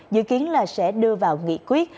dự kiến là sẽ đưa vào nghị quyết